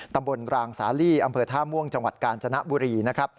ตำบลรางสาลีอำเภอท่าม่วงจังหวัดกาญจนบุรีนะครับ